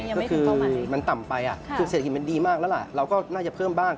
ก็คือมันต่ำไปคือเศรษฐกิจมันดีมากแล้วล่ะเราก็น่าจะเพิ่มบ้าง